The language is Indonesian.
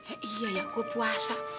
eh iya ya gua puasa